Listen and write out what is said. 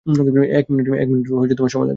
এক মিনিট সময় লাগবে।